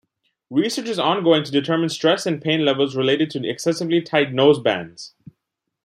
Research is ongoing to determine stress and pain levels related to excessively tight nosebands.